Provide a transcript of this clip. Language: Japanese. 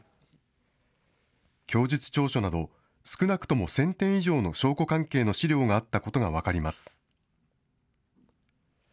供述調書など、少なくとも１０００点以上の証拠関係の資料があったことが分かります。